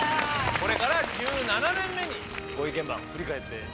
これから１７年目にご意見番振り返っていかがですか？